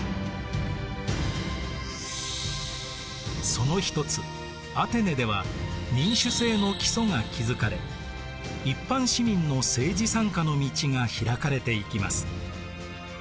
そのひとつアテネでは民主政の基礎が築かれ一般市民の政治参加の道が開かれていきます。